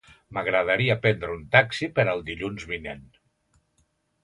M'agradaria prendre un taxi per al dilluns vinent.